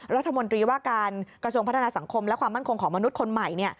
รัฐมนตรีว่าการกระทรวงพัฒนาสังคมและความมั่นคงของมนุษย์คนใหม่